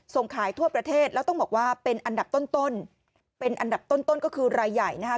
ส่งขายทั่วประเทศแล้วต้องบอกว่าเป็นอันดับต้นเป็นอันดับต้นก็คือรายใหญ่นะคะ